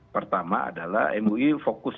pertama adalah mui fokus